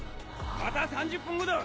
また３０分後だ。